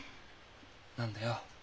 何だよ？